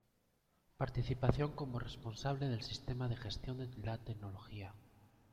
Participación como responsable del Sistema de Gestión de la Tecnología.